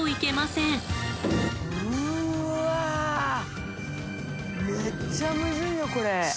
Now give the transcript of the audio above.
うわめっちゃむずいよこれ。